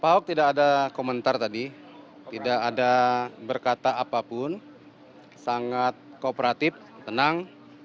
pak ahok tidak ada komentar tadi tidak ada berkata apapun sangat kooperatif tenang